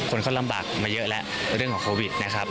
คนเขาลำบากมาเยอะแล้วเรื่องของโควิดนะครับ